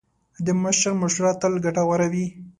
د مشر مشوره تل ګټوره وي.